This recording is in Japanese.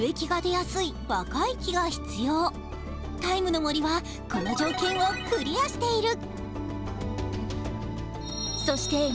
「ＴＩＭＥ，の森」はこの条件をクリアしている。